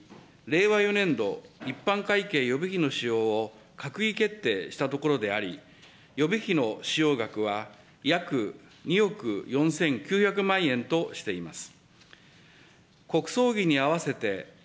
国葬儀の実施に必要な経費については、８月２６日に令和４年度一般会計予備費の使用を閣議決定したところであり、予備費の使用額は約２億４９００万円としています。